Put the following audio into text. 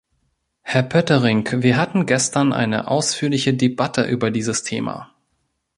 Herr Poettering, wir hatten gestern eine ausführliche Debatte über dieses Thema.